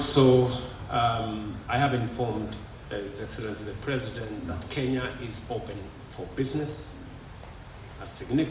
saya juga memberitahu presiden kenya bahwa kenya terbuka untuk bisnis